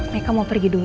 meka mau pergi dulu